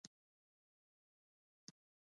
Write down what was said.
د نوکانو د فنګس لپاره سرکه وکاروئ